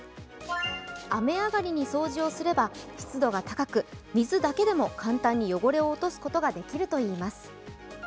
雨上がりに掃除をすれば湿度が高く、水だけでも簡単に汚れを落とすことができるといいます。